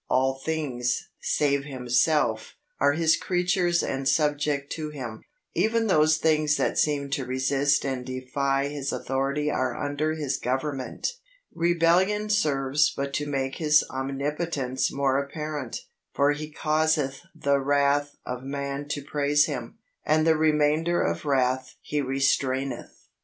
All things, save Himself, are His creatures and subject to Him. Even those things that seem to resist and defy His authority are under His government. Rebellion serves but to make His omnipotence more apparent, for He causeth the wrath of man to praise Him, and the remainder of wrath He restraineth.